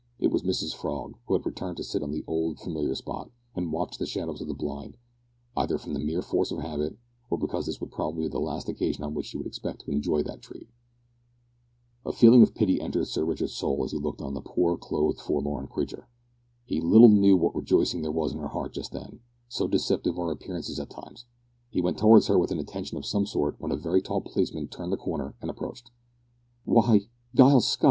It was Mrs Frog, who had returned to sit on the old familiar spot, and watch the shadows on the blind, either from the mere force of habit, or because this would probably be the last occasion on which she could expect to enjoy that treat. A feeling of pity entered Sir Richard's soul as he looked on the poorly clothed forlorn creature. He little knew what rejoicing there was in her heart just then so deceptive are appearances at times! He went towards her with an intention of some sort, when a very tall policeman turned the corner, and approached. "Why, Giles Scott!"